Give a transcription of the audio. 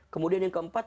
kemudian yang keempat